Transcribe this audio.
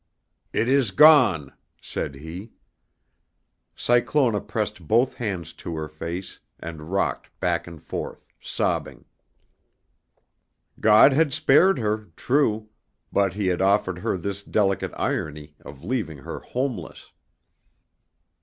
"It is gone," said he. Cyclona pressed both hands to her face and rocked back and forth, sobbing. God had spared her, true, but He had offered her this delicate irony of leaving her homeless.